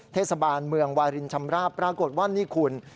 เทศบาลเมืองวารินชำราบปรากฏว่านี่คุณ